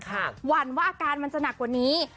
หวั่นว่าอาการมันจะหนักกว่านี้